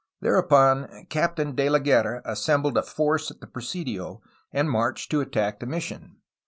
Thereupon Captain Die la Guerra assembled a force at the presidio, and marched to attack the mission.